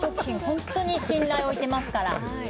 本当に信頼を置いてますから。